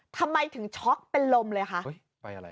ทำไมถึงช็อคเป็นลมเลยค่ะเฮ้ยใบอะไร